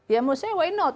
ya maksud saya kenapa tidak